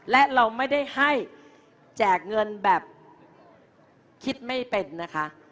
และเราไม่ได้ให้แจกเงินแบบคิดไม่เป็นนะคะ